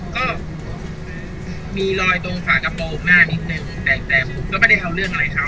ก็มีรอยตรงฝากระโปรกหน้านิดนึงแต่ผมก็ไม่ได้เอาเรื่องอะไรเขา